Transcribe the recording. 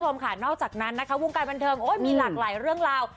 คุณผู้ชมค่ะนอกจากนั้นนะคะวงการบันเทิงโอ้ยมีหลากหลายเรื่องราว